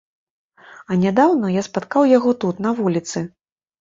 А нядаўна я спаткаў яго тут на вуліцы.